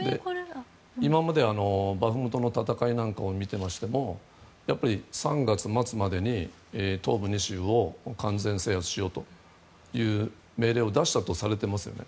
今までバフムトの戦いなんかを見てましても３月末までに東部２州を完全制圧しようという命令を出したとされていますよね。